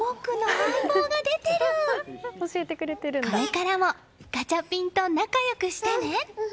これからもガチャピンと仲良くしてね！